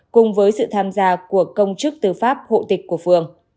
cùng với sự tham gia của công chức tư pháp hộ tịch của phường